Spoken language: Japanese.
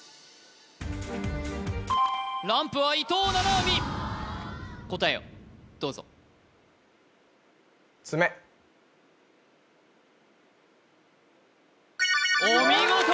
ランプは伊藤七海答えをどうぞお見事！